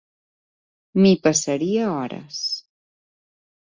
M'hi passaria hores.